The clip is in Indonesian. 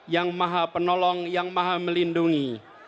yang maha penolong yang maha melindungi